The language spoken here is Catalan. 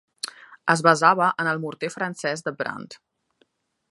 Es basava en el morter francès de Brandt.